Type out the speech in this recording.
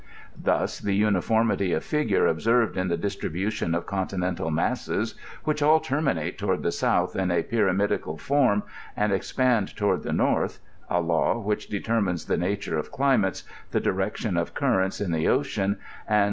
Thus the uniformity of figure observed in the distribution of continental masses, which all terminate toward the south in a pyramidal form, and expand toward the north (a law that determines the nature of climates, the directicm of currents in the ocean and